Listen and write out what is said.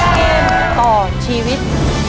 เกมต่อชีวิต